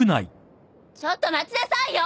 ちょっと待ちなさいよ！